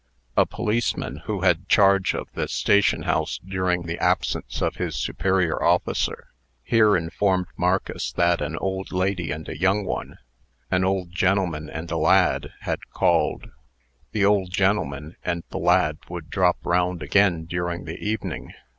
A policeman, who had charge of the station house during the absence of his superior officer, here informed Marcus that an old lady and a young one, an old gen'leman and a lad, had called. The old gen'leman and the lad would drop round again during the evening.